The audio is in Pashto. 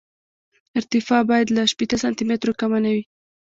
ارتفاع باید له شپېته سانتي مترو کمه نه وي